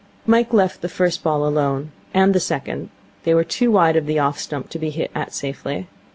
Mike left the first ball alone, and the second. They were too wide of the off stump to be hit at safely.